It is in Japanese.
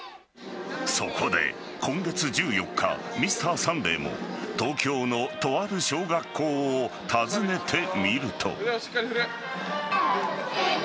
そこで今月１４日「Ｍｒ．サンデー」も東京のとある小学校を訪ねてみると。